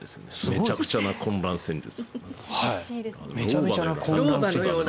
めちゃくちゃな混乱戦術とか。